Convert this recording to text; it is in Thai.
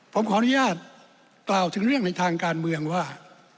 ผมขออนุญาตกล่าวถึงเรื่องในทางการเมืองว่า